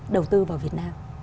đầu tư vào việt nam